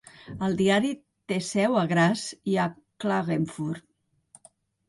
El diari té seu a Graz i a Klagenfurt.